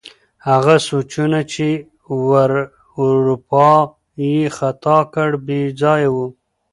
هغه سوچونه چې واروپار یې ختا کړ، بې ځایه وو.